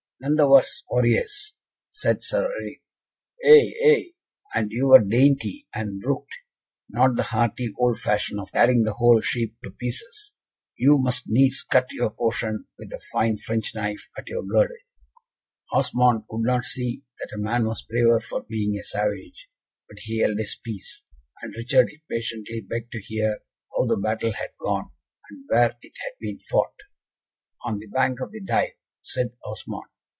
"None the worse warriors," said Sir Eric. "Ay, ay, and you were dainty, and brooked not the hearty old fashion of tearing the whole sheep to pieces. You must needs cut your portion with the fine French knife at your girdle." Osmond could not see that a man was braver for being a savage, but he held his peace; and Richard impatiently begged to hear how the battle had gone, and where it had been fought. "On the bank of the Dive," said Osmond.